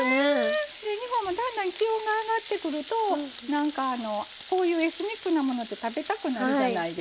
日本もだんだん気温が上がってくるとこういうエスニックなものって食べたくなるじゃないですか。